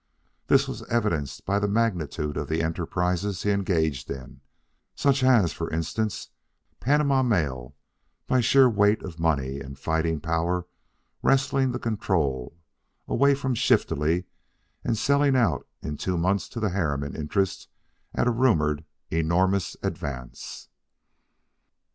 This was evidenced by the magnitude of the enterprises he engaged in, such as, for instance, Panama Mail, by sheer weight of money and fighting power wresting the control away from Shiftily and selling out in two months to the Harriman interests at a rumored enormous advance.